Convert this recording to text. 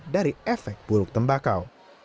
dari efek buruk tembakau